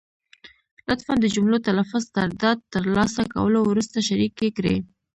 لطفا د جملو تلفظ تر ډاډ تر لاسه کولو وروسته شریکې کړئ.